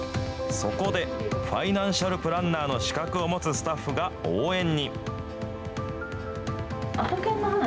そこで、ファイナンシャルプランナーの資格を持つスタッフが応援に。